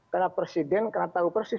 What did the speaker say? karena presiden karena tahu persis